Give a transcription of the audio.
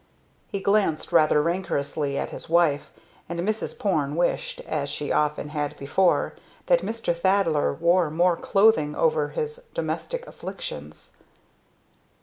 He glanced rather rancorously at his wife, and Mrs. Porne wished, as she often had before, that Mr. Thaddler wore more clothing over his domestic afflictions.